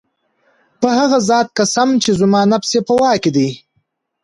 په هغه ذات قسم چي زما نفس ئې په واك كي دی